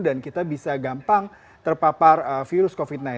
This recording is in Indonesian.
kita bisa gampang terpapar virus covid sembilan belas